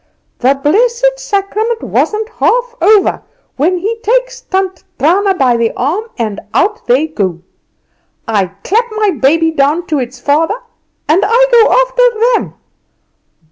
"The blessed Sacrament wasn't half over when he takes Tant Trana by the arm, and out they go. I clap my baby down to its father, and I go after them.